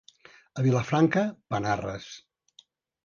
A Vilafranca, panarres.